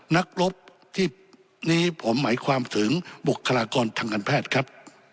นักรบที่นี้ผมหมายความถึงบุคลากรทางการแพทย์ครับ